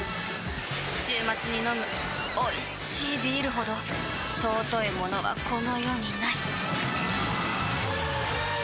週末に飲むおいしいビールほど尊いものはこの世にない！